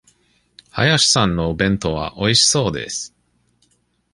林さんのお弁当はおいしそうです。